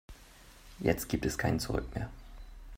Jetzt gibt es kein Zurück mehr.